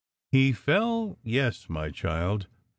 "He fell, yes, my child.